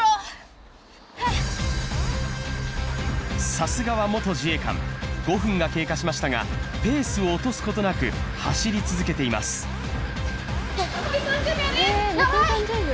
さすがは元自衛官５分が経過しましたがペースを落とすことなく走り続けていますヤバい！